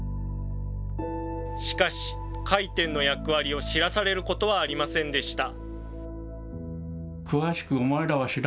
しかし、回天の役割を知らされることはありませんでした。